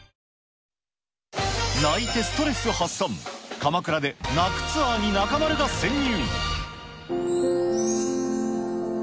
鎌倉で泣くツアーに中丸が潜入。